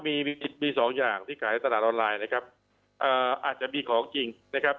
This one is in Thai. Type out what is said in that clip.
ที่เรามี๒อย่างที่ขายในตลาดออนไลน์นะครับอาจจะมีของจริงนะครับ